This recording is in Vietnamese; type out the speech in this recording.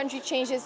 nó rất nhanh chóng